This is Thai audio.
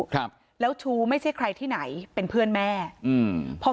ครับแล้วชู้ไม่ใช่ใครที่ไหนเป็นเพื่อนแม่อืมพอ